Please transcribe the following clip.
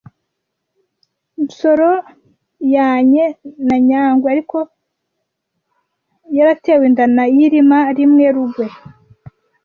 Nsoro yanye na Nyanguge ariko yaratewe inda na yilima I Rugwe